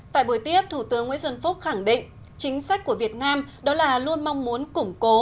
tại buổi tiếp thủ tướng nguyễn xuân phúc khẳng định chính sách của việt nam đó là luôn mong muốn củng cố